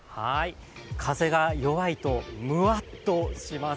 風が弱いと、ムワッとします。